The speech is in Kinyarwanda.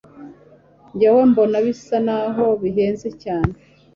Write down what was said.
Njye mbona bisa naho bihenze cyane.